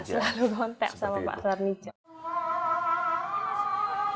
iya selalu kontak sama pak sani jaya